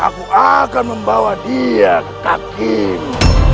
aku akan membawa dia ke kaki